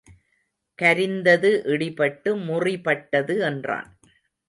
கரிந்தது இடிபட்டு முறிபட்டது என்றான்.